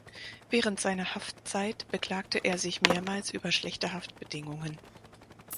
Während seiner Haftzeit beklagte er sich mehrmals über schlechte Haftbedingungen.